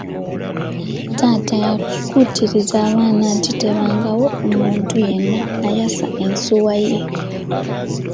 Taata yakuutira abaana nti tewabangawo omuntu yenna ayasa ensuwa ye.